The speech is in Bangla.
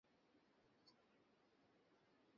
কলার মোচা খুলে ভেতর থেকে কালো রঙের শাঁস বের করে আনতে হবে।